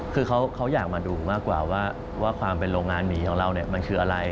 คือเขาอยากมาดูมากกว่าว่าความเป็นโรงงานหมีของเรามันคืออะไร